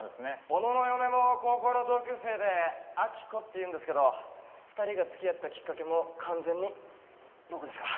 小野の嫁も高校の同級生で秋子っていうんですけど２人が付き合ったきっかけも完全に僕ですから。